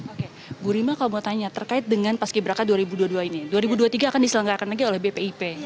oke bu rima kalau mau tanya terkait dengan paski braka dua ribu dua puluh dua ini dua ribu dua puluh tiga akan diselenggarakan lagi oleh bpip